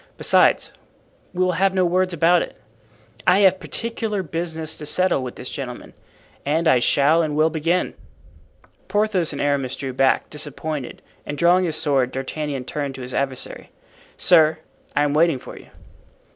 Besides, we will have no words about it. I have particular business to settle with this gentleman and I shall and will begin." Porthos and Aramis drew back, disappointed, and drawing his sword D'Artagnan turned to his adversary: "Sir, I am waiting for you."